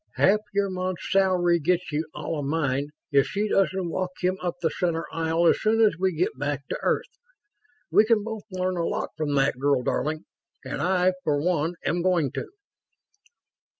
Half your month's salary gets you all of mine if she doesn't walk him up the center aisle as soon as we get back to Earth. We can both learn a lot from that girl, darling. And I, for one am going to."